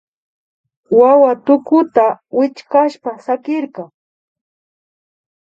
Wawa tukuta wichkashpa sakirka